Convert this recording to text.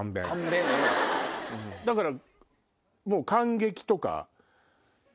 だから。